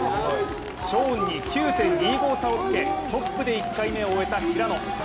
ショーンに９．２５差をつけトップで１回目を終えた平野。